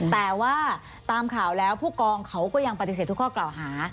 แต่ว่าตามข่าวแล้วผู้กองเขาก็ยังปฏิเสธทุกข้อกล่าวหา